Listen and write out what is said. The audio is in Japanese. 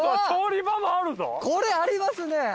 これありますね！